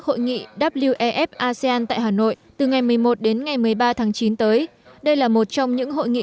hội nghị wef asean tại hà nội từ ngày một mươi một đến ngày một mươi ba tháng chín tới đây là một trong những hội nghị